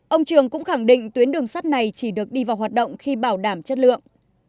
ông trường cũng khẳng định tuyến đường sắt này chỉ được đi vào hoạt động khi bảo đảm chất lượng